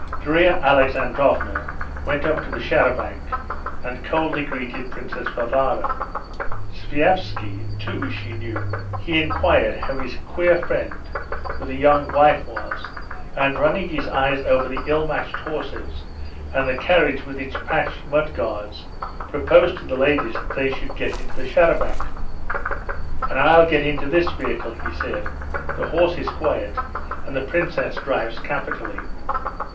Darya Alexandrovna went up to the char à banc and coldly greeted Princess Varvara. Sviazhsky too she knew. He inquired how his queer friend with the young wife was, and running his eyes over the ill matched horses and the carriage with its patched mud guards, proposed to the ladies that they should get into the char à banc. "And I'll get into this vehicle," he said. "The horse is quiet, and the princess drives capitally."